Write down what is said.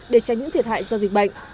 để tránh những thiệt hại do dịch bệnh